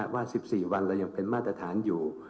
ว่า๑๔วันเรายังเป็นมาตรฐานอยู่